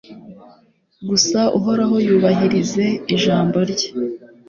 gusa, uhoraho yubahirize ijambo rye